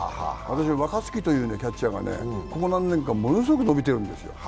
若月というキャッチャーがここ何年かものすごく伸びているんですよ。